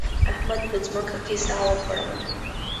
احمد په ځمکه کې سا وغوړوله.